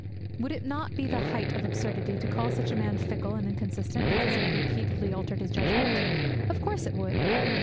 Would it not be the height of absurdity to call such a man fickle and inconsistent because he had repeatedly altered his judgement?' Of course it would.